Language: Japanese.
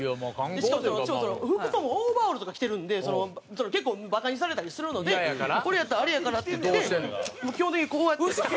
しかも服装もオーバーオールとか着てるんで結構バカにされたりするのでこれやったらあれやからっていって基本的にこうやって。